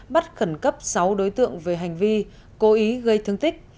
bắt khẩn cấp sáu đối tượng về hành vi cố ý gây thương tích